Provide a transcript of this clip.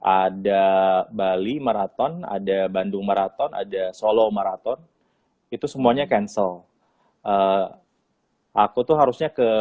ada bali maraton ada bandung marathon ada solo marathon itu semuanya cancel aku tuh harusnya ke